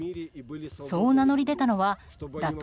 そう名乗り出たのは打倒